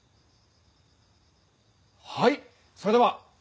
はいそれでは！